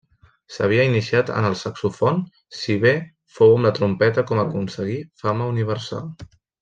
S'havia iniciat en el saxofon, si bé fou amb la trompeta com aconseguí fama universal.